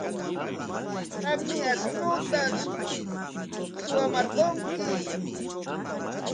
Qammi ashnuuta suwamarqunki.